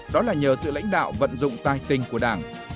đó là nhờ sự lãnh đạo vận dụng tài tình của đảng